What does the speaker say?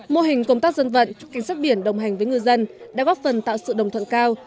mô hình công tác dân vận cảnh sát biển đồng hành với ngư dân đã góp phần tạo sự đồng thuận cao